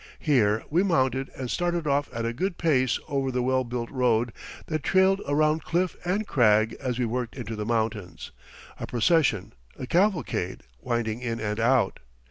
Here we mounted and started off at a good pace over the well built road that trailed around cliff and crag as we worked into the mountains, a procession, a cavalcade, winding in and out.